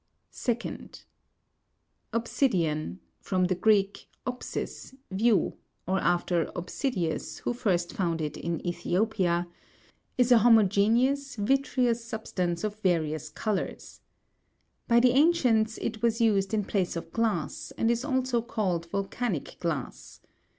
40. 2d. Obsi'dian (from the Greek, opsis, view, or after Obsi dius, who first found it in Ethiopia}, is a homogeneous, vitreous substance of various colours. By me ancients it was used in. place of glass, and is also called volcanic glass.